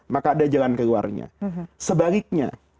maka ada jalan keluarnya sebaliknya